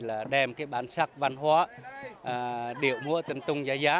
để đem bản sắc văn hóa điệu múa tưng tung nhai nhạc